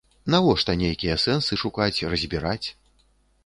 Навошта нейкія сэнсы шукаць, разбіраць?